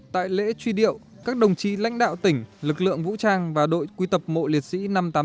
tại lễ truy điệu các đồng chí lãnh đạo tỉnh lực lượng vũ trang và đội quy tập mộ liệt sĩ năm trăm tám mươi tám